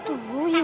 tuh bu yul